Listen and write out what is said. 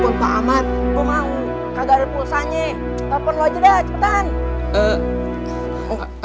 iya betul anak anak ya allah